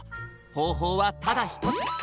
ほうほうはただひとつ！